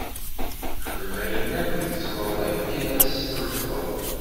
Xdem ayen akk tzemreḍ akken ad s-tanfeḍ.